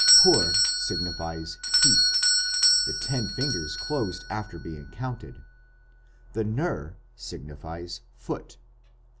"Pur" signifies "heap" the ten fingers closed after being counted; and "ner" signifies "foot".